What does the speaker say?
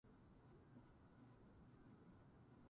いまごろなら、泳いでいるだろう。さあ、ぼくといっしょにおいでなさい。